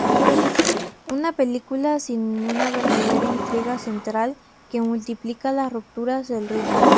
Una película sin una verdadera intriga central, que multiplica las rupturas del ritmo.